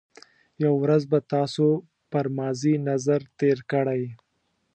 یو ورځ به تاسو پر ماضي نظر تېر کړئ.